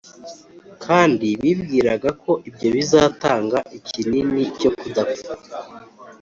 kandi bibwiraga ko ibyo bizatanga ikinini cyo kudapfa.